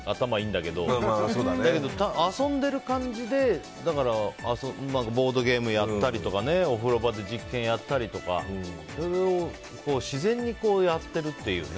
だけど遊んでいる感じでボードゲームやったりとかお風呂場で実験やったりとかそれを自然にやってるっていうね。